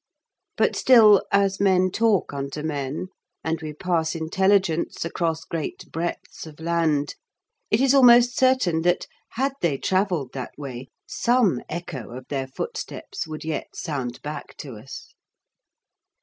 But still, as men talk unto men, and we pass intelligence across great breadths of land, it is almost certain that, had they travelled that way, some echo of their footsteps would yet sound back to us.